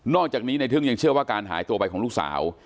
อกจากนี้ในทึ่งยังเชื่อว่าการหายตัวไปของลูกสาว